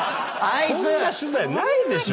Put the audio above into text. そんな取材ないでしょ。